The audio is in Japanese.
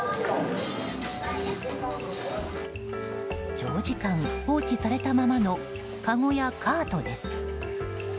長時間、放置されたままのかごやカートです。